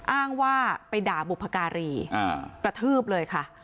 อ้างว่าไปด่าบุพการีกระทืบเลยค่ะ